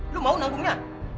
lu mau nanggungnya